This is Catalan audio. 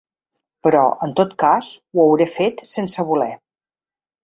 Però, en tot cas, ho hauré fet sense voler.